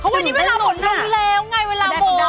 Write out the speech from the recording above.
เพราะวันนี้เวลาหลงหมดแล้วไงเวลาหมด